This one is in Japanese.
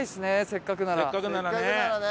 せっかくならね！